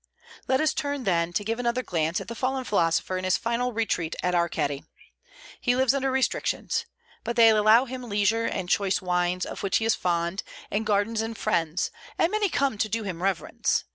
Let us turn then to give another glance at the fallen philosopher in his final retreat at Arceti. He lives under restrictions. But they allow him leisure and choice wines, of which he is fond, and gardens and friends; and many come to do him reverence.